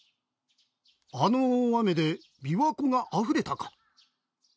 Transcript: あの大雨で琵琶湖があふれたか。